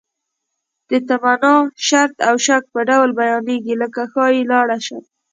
د تمنا، شرط او شک په ډول بیانیږي لکه ښایي لاړ شم.